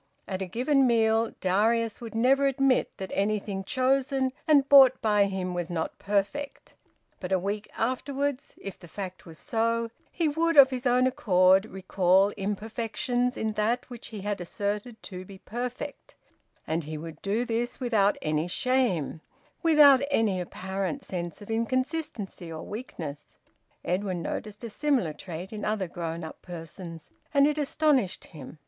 At a given meal Darius would never admit that anything chosen and bought by him was not perfect; but a week afterwards, if the fact was so, he would of his own accord recall imperfections in that which he had asserted to be perfect; and he would do this without any shame, without any apparent sense of inconsistency or weakness. Edwin noticed a similar trait in other grown up persons, and it astonished him.